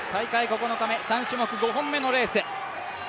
大会９日目３種目５本目のレース。